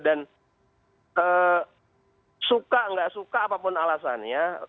dan suka nggak suka apapun alasannya